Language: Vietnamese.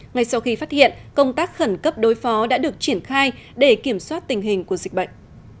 ngay sau khi phát hiện công tác khẩn cấp đối phó đã được triển khai để kiểm soát tình hình của dịch bệnh